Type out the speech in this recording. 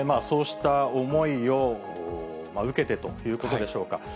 そうした思いを受けてということでしょうか。